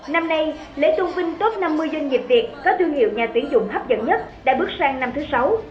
năm nay lễ tôn vinh top năm mươi doanh nghiệp việt có thương hiệu nhà tuyển dụng hấp dẫn nhất đã bước sang năm thứ sáu